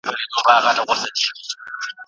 متقابل احترام د ميني او امن ضامن ګرځي.